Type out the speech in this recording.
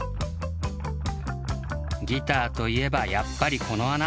ギターといえばやっぱりこのあな。